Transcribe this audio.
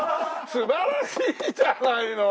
素晴らしいじゃないの！